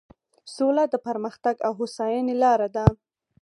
سوله د پرمختګ او هوساینې لاره ده.